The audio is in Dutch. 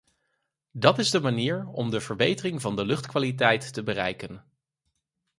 Dat is de manier om de verbetering van de luchtkwaliteit te bereiken.